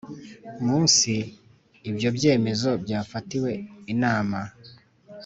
munsi ibyo byemezo byafatiweho Inama